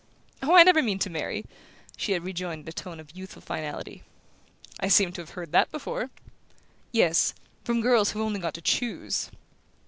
"Oh, I never mean to marry," she had rejoined in a tone of youthful finality. "I seem to have heard that before!" "Yes; from girls who've only got to choose!"